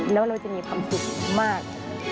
แล้วเราจะมีความสุขมาก